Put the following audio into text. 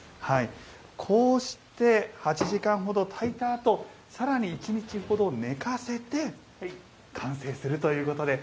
こうして、８時間ほど炊いたあとさらに、１日ほど寝かせて完成するということで。